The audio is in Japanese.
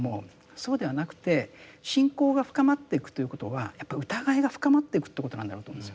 そうではなくて信仰が深まってくということはやっぱ疑いが深まってくってことなんだろうと思うんですよ。